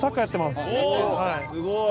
すごい！